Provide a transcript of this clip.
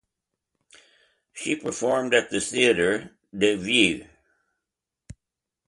She performed at the Theater des Vieux.